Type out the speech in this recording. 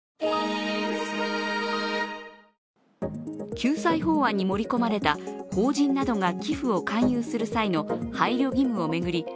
救済法案に盛り込まれた法人などが寄付を勧誘する際の配慮義務を巡り